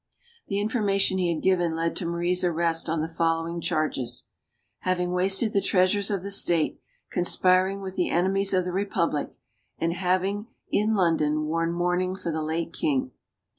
The information he had given led to Marie's arrest on the following charges: "Having wasted the treasures of the state, conspir ing with the enemies of the Republic, and having, in London, worn mourning for the late King.'